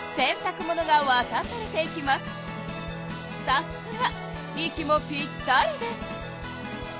さすが息もぴったりです！